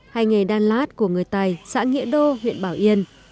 hay nghề đan lát của người tài xã nghĩa đô huyện bảo yên